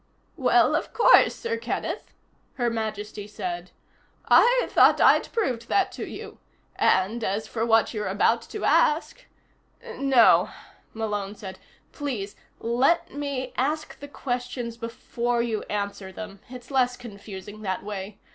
"Well, of course, Sir Kenneth," Her Majesty said. "I thought I'd proved that to you. And, as for what you're about to ask " "No," Malone said. "Please. Let me ask the questions before you answer them. It's less confusing that way.